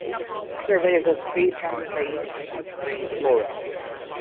Seravezza's patron saint is Saint Lawrence.